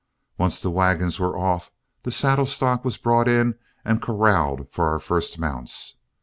Once the wagons were off, the saddle stock was brought in and corralled for our first mounts.